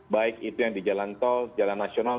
baik itu yang di jalan tol jalan nasional